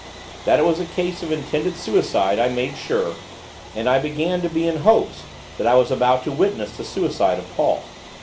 That it was a case of intended suicide I made sure, and I began to be in hopes that I was about to witness the suicide of Paul.